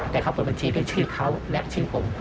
แต่เขาเปิดบัญชีด้วยชื่อเขาและชื่อผม